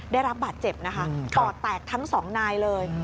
ได้รับบาดเจ็บนะคะปอดแตกทั้งสองนายเลย